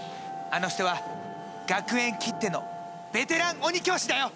あの人は学園きってのベテラン鬼教師だよ！